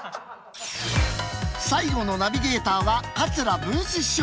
最後のナビゲーターは桂文枝師匠。